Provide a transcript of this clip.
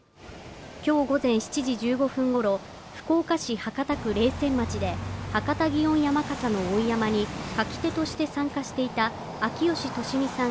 今日午前７時１５分ごろ、福岡市博多区冷泉町で博多祇園山笠の追い山に舁き手として参加していた秋吉敏美さん